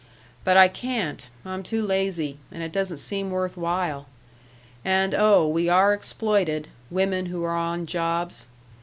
But I can't. I'm too lazy, and it doesn't seem worth while.... And, oh, we are exploited, women who are on jobs.